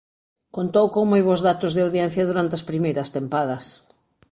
Contou con moi bos datos de audiencia durante as primeiras tempadas.